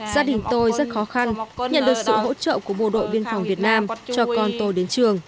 gia đình tôi rất khó khăn nhận được sự hỗ trợ của bộ đội biên phòng việt nam cho con tôi đến trường